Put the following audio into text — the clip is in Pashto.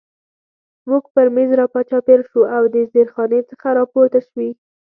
موږ پر مېز را چاپېر شو او د زیرخانې څخه را پورته شوي.